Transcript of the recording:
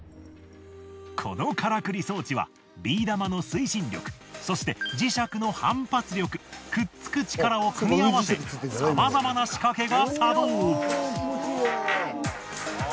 このからくり装置はビー玉の推進力そして磁石の反発力くっつく力を組み合わせさまざまな仕掛けが作動。